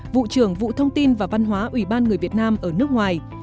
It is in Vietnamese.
vụ trưởng vụ thông tin và văn hóa ủy ban người việt nam ở nước ngoài